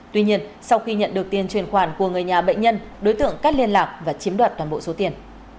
tuy nhiên sau khi nhận được tiền truyền khoản của người nhà bệnh nhân đối tượng cắt liên lạc và chiếm đoạt toàn bộ số tiền